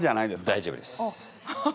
大丈夫です。